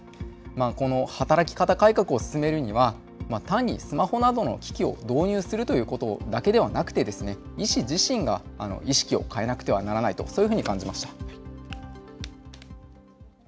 この働き方改革を進めるには、単にスマホなどの機器を導入するということだけではなくて、医師自身が意識を変えなくてはならないと、そういうふうに感じました。